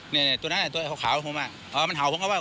เนี่ยตัวนั้นตัวขาวผมอ่ะเออมันเห่าผมก็ว่า